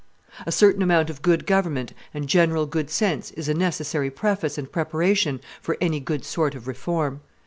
A certain amount of good government and general good sense is a necessary preface and preparation for any good sort of reform.